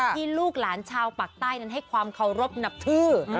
ลูกหลานชาวปากใต้นั้นให้ความเคารพนับถือ